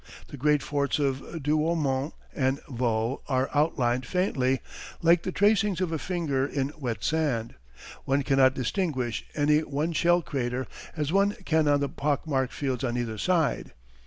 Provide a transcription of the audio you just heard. The great forts of Douaumont and Vaux are outlined faintly, like the tracings of a finger in wet sand. One cannot distinguish any one shell crater, as one can on the pockmarked fields on either side.